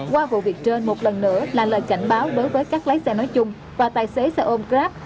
qua vụ việc trên một lần nữa là lời cảnh báo đối với các lái xe nói chung và tài xế xe ôm grab